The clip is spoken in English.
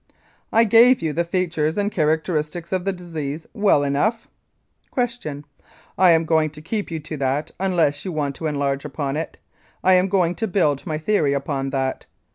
I gave you the features and characteristics of the disease well enough. Q. I am going to keep you to that unless you want to enlarge upon it. I am going to build my theory upon that.